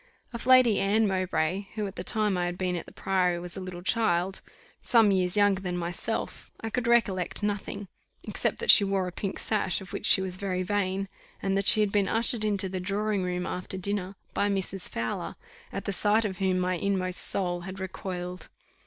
Of Lady Anne Mowbray, who at the time I had been at the Priory, was a little child, some years younger than myself, I could recollect nothing, except that she wore a pink sash, of which she was very vain, and that she had been ushered into the drawing room after dinner by Mrs. Fowler, at the sight of whom my inmost soul had recoiled.